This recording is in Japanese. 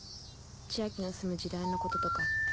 千昭の住む時代のこととか。